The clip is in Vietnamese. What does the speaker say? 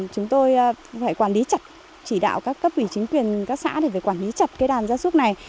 chúng tôi phải quản lý chặt chỉ đạo các cấp ủy chính quyền các xã để quản lý chặt đàn gia súc này